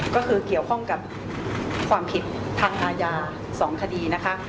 ก็คือเกี่ยวข้องกับความผิดทางอาญา๒คดีนะคะ